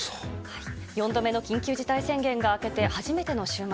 ４度目の緊急事態宣言が明けて初めての週末。